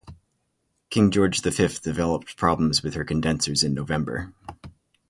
"King George the Fifth" developed problems with her condensers in November.